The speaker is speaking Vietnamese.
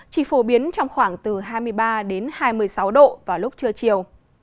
chỉ phổ biến trong khoảng từ hai mươi ba đến hai mươi sáu độ vào lúc trưa chiều